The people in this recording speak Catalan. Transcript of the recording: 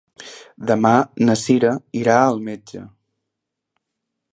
Demà na Sira irà al metge.